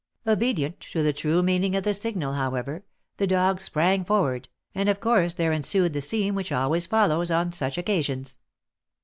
Obedient to the true meaning of the signal, however, the dog sprang forward, and of course there ensued the scene which always follows on such occasions.